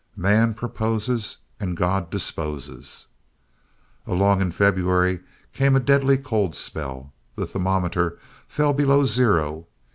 Man proposes and God disposes. Along in February came a deadly cold spell. The thermometer fell below zero.